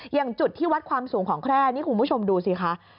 อย่างจุดที่วัดความสูงของแคร่นี่คุณผู้ชมดูสิคะ